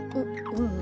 うん。